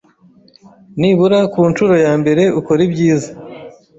Nibura kuncuro yambere ukore ibyiza